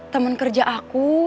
temen kerja aku